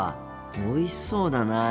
おいしそうだなあ。